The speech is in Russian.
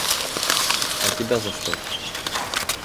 А тебя за что?